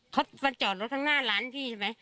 เขามาจอดรถข้างหน้าร้านพี่ใช่ไหม